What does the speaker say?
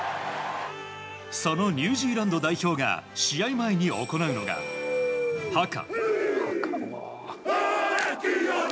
そのニュージーランド代表が試合前に行うのが、ハカ。